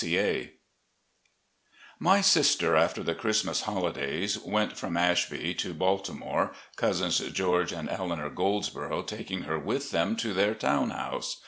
C, A, My sister, after the Christmas holidays, went from "Ashby" to Baltimore, Cousins George and Eleanor Goldsborough taking her with them to their town house.